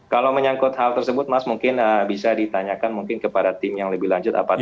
kalau menyangkut hal tersebut mas mungkin bisa ditanyakan mungkin kepada tim yang lebih lanjut apakah